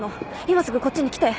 今すぐこっちに来て。